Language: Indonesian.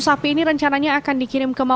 yang diduga mengandung narkoba